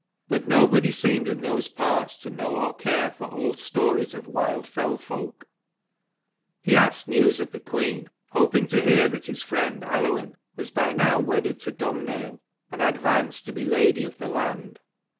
But nobody seemed in those parts to know or care for old stories of wild fell folk : He asked news of the queen, hoping to hear that his friend Aluinn was by now wedded to Domhnaill and advanced to be lady of the land.